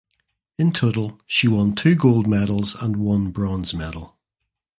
In total she won two gold medals and one bronze medal.